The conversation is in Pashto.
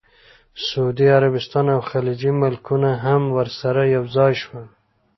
سعودي عربستان او خلیجي ملکونه هم ورسره یوځای شول.